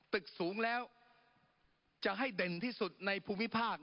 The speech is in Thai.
ตึกสูงแล้วจะให้เด่นที่สุดในภูมิภาค